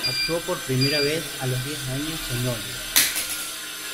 Actuó por primera vez a los diez años en "Oliver!